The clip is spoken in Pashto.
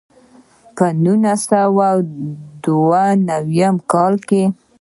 په نولس سوه دوه نوي کال کې.